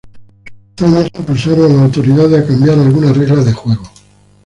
Sus hazañas impulsaron a las autoridades a cambiar algunas reglas de juego.